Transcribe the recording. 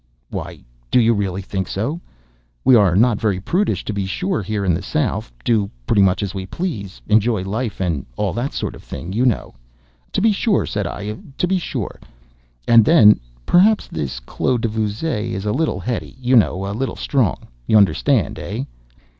—why, do you really think so? We are not very prudish, to be sure, here in the South—do pretty much as we please—enjoy life, and all that sort of thing, you know—" "To be sure," said I,—"to be sure." "And then, perhaps, this Clos de Vougeot is a little heady, you know—a little strong—you understand, eh?"